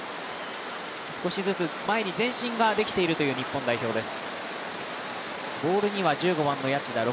少しずつ前に前進ができているという日本代表です。